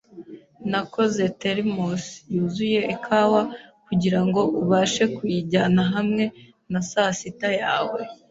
Nakoze thermos yuzuye ikawa kugirango ubashe kuyijyana hamwe na sasita yawe